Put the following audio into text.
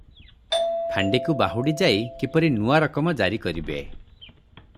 ଫାଣ୍ଡିକୁ ବାହୁଡି ଯାଇ କିପରି ନୂଆ ରକମ ଜାରି କରିବେ